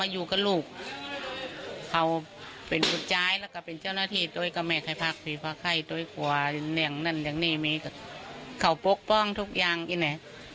อย่างนี้ไหมเขาปกป้องทุกอย่างไอ้หน่อย